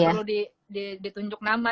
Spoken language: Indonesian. iya gak perlu ditunjuk nama